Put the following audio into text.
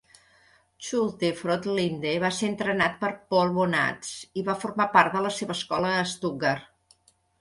Schulte-Frohlinde va ser entrenat per Paul Bonatz i va formar part de la seva escola a Stuttgart.